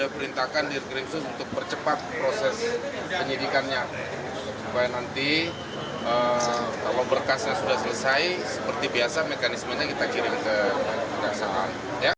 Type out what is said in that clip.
periksa secara maraton